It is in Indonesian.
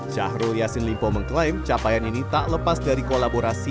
syahrul yassin limpo mengklaim capaian ini tak lepas dari kolaborasi